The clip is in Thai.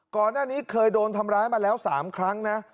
ก่อนหน้านี้เคยโดนทำร้ายมาแล้ว๓ครั้งนะ